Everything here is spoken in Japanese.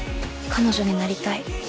彼女になりたい。